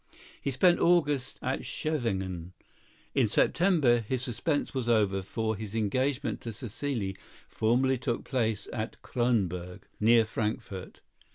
He spent August at Scheveningen; in September his suspense was over, for his engagement to Cécile formally took place at Kronberg, near Frankfort.